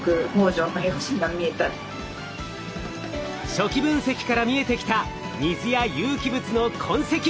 初期分析から見えてきた水や有機物の痕跡。